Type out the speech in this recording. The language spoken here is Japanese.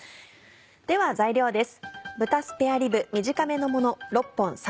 では材料です。